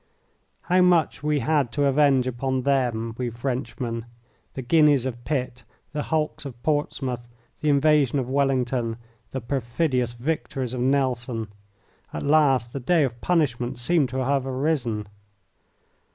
How much we had to avenge upon them, we Frenchmen the guineas of Pitt, the hulks of Portsmouth, the invasion of Wellington, the perfidious victories of Nelson! At last the day of punishment seemed to have arisen.